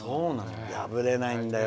破れないんだよ。